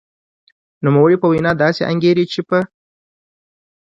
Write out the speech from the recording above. نوموړې په وینا داسې انګېري چې په